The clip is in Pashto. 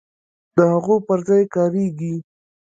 د هغو پر ځای کاریږي.